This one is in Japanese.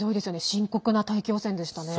深刻な大気汚染でしたね。